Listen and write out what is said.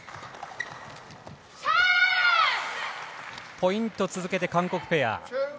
ポイント、続けて韓国ペア。